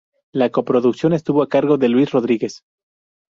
La co-producción estuvo a cargo de Luis Rodríguez.